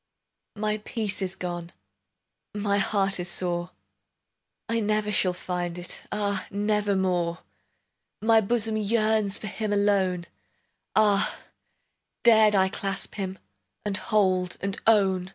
My peace is gone, My heart is sore: I never shall find it, Ah, nevermore! My bosom yearns For him alone; Ah, dared I clasp him, And hold, and own!